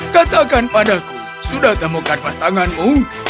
katakan padaku sudah temukan pasanganmu